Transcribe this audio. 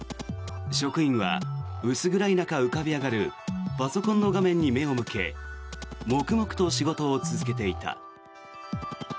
職員は薄暗い中浮かび上がるパソコンの画面に目を向け黙々と仕事を続けていた。